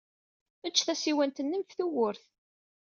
Ejj tasiwant-nnem ɣef tewwurt.